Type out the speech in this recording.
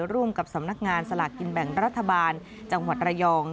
ร่วมกับสำนักงานสลากกินแบ่งรัฐบาลจังหวัดระยอง